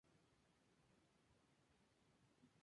Es la sede de la Diócesis de Lexington.